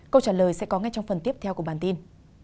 câu trả lời sẽ có ngay trong phần tiếp theo của bản tin